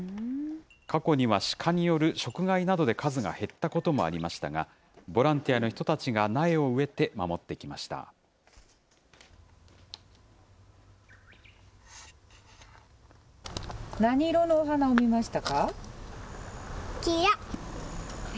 過去にはシカによる食害などで数が減ったこともありましたが、ボランティアの人たちが苗を植えて守ってきました。